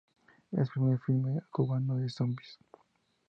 Es el primer filme cubano de zombis.